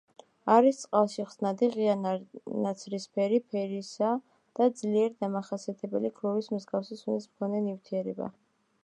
არის წყალში ხსნადი, ღია ნაცრისფერი ფერისა და ძლიერ დამახასიათებელი ქლორის მსგავსი სუნის მქონე ნივთიერება.